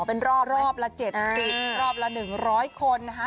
เป็นรอบรอบละ๗๐รอบละ๑๐๐คนนะคะ